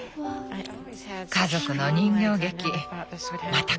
家族の人形劇また